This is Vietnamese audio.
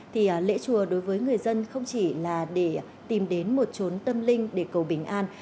thì lễ chùa đối với người dân không chỉ là để tìm đến một trốn tâm linh để cầu bình an